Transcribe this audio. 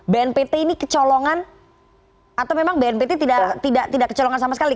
bnpt ini kecolongan atau memang bnpt tidak kecolongan sama sekali